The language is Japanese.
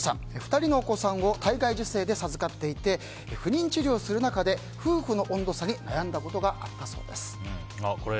２人のお子さんを体外受精で授かっていて不妊治療する中で夫婦の温度差に悩んだことがあったそうです。